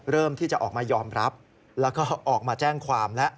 เริ่มที่จะออกมายอมรับแล้วก็ออกมาแจ้งความแล้ว